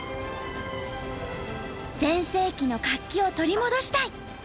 「全盛期の活気を取り戻したい！」